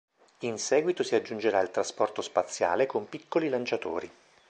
In seguito si aggiungerà il trasporto spaziale con piccoli lanciatori.